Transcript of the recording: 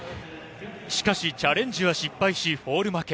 しかし、チャレンジは失敗しフォール負け。